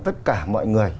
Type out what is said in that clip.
tất cả mọi người